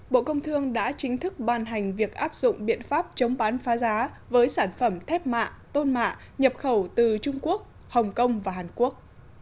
bộ công thương đã chính thức ban hành việc áp dụng biện pháp chống bán phá giá với sản phẩm thép mạ tôn mạ nhập khẩu từ trung quốc hồng kông và hàn quốc